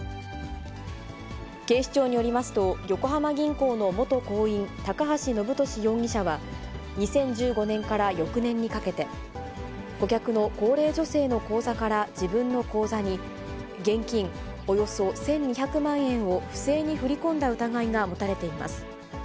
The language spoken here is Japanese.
警視庁によりますと、横浜銀行の元行員、高橋延年容疑者は、２０１５年から翌年にかけて、顧客の高齢女性の口座から自分の口座に、現金およそ１２００万円を不正に振り込んだ疑いが持たれています。